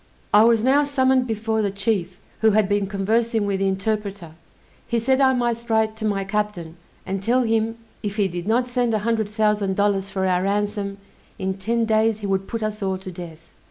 I was now summoned before the chief, who had been conversing with the interpreter; he said I must write to my captain, and tell him, if he did not send a hundred thousand dollars for our ransom, in ten days he would put us all to death.